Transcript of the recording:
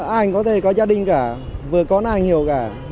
anh có thể có gia đình cả vừa con anh hiểu cả